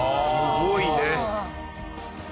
すごいね。